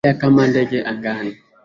Waweza kupepea kama ndege angani?